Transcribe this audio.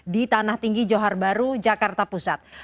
di tanah tinggi johar baru jakarta pusat